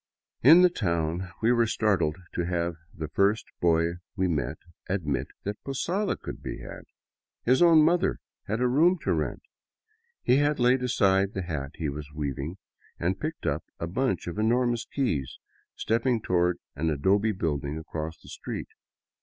In the town we were startled to have the first boy we met admit that posada could be had. His own mother had a room to rent. He laid aside the hat he was weaving and, picking up a bunch of enormous keys, stepped toward an adobe building across the street.